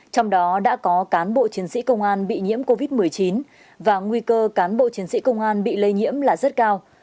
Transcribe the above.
trong đó đã có cán bộ chiến sĩ công an bị nhiễm covid một mươi chín và nguy cơ cán bộ chiến sĩ công an bị lây nhiễm là rất cao